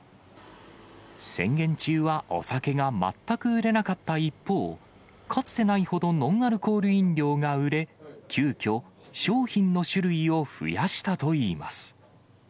宣言中はお酒が全く売れなかった一方、かつてないほどノンアルコール飲料が売れ、急きょ、商品の種類を増やしたといいます。